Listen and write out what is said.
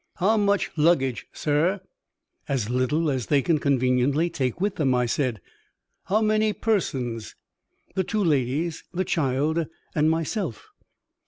'How much luggage, sir?' 'As little as they can conveniently take with them,' I said. 'How many persons?' 'The two ladies, the child, and myself.